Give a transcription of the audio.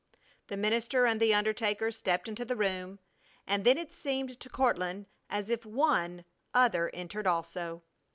The minister and the undertaker stepped into the room, and then it seemed to Courtland as if One other entered also.